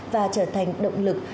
và trở thành động lực